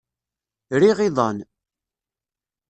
Riɣ iḍan.